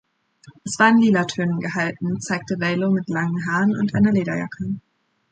Es war in Lila-Tönen gehalten, zeigte Valo mit langen Haaren und einer Lederjacke.